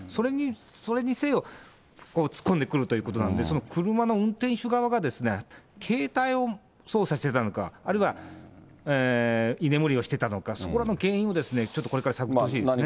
それにせよ、突っ込んでくるということなんで、その車の運転手側が携帯を操作していたのか、あるいは居眠りをしてたのか、そこの原因をちょっとこれから探ってほしいですね。